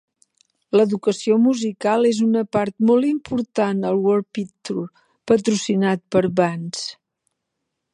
L'educació musical és una part molt important al Warped Tour patrocinat per Vans.